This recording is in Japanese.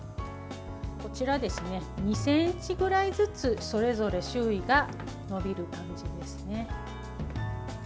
こちら、２ｃｍぐらいずつそれぞれ周囲が伸びる感じですね。